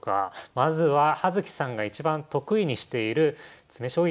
まずは葉月さんが一番得意にしている詰将棋から出題します。